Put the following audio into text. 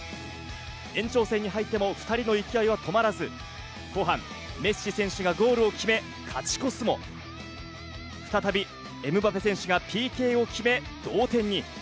延長戦に入っても、２人の勢いは止まらず、後半、メッシ選手がゴールを決め勝ち越すも、再びエムバペ選手がＰＫを決め、同点に。